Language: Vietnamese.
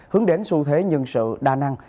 hướng đến xu thế nhân sự đa năng